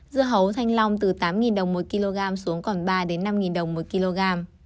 dưa hấu thanh long từ tám đồng mỗi kg xuống còn ba năm đồng mỗi kg